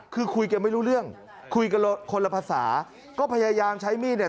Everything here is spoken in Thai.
คือคุยกันไม่รู้เรื่องคุยกันคนละภาษาก็พยายามใช้มีดเนี่ย